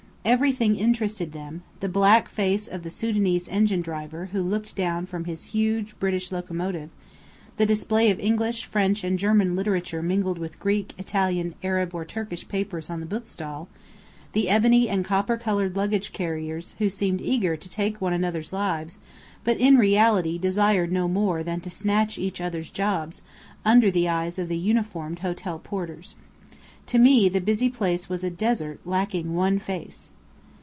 Everything interested them; the black face of the Sudanese engine driver who looked down from his huge British locomotive, the display of English, French and German literature mingled with Greek, Italian, Arab, or Turkish papers on the bookstall; the ebony and copper coloured luggage carriers who seemed eager to take one another's lives, but in reality desired no more than to snatch each other's jobs, under the eyes of the uniformed hotel porters. To me, the busy place was a desert, lacking one face.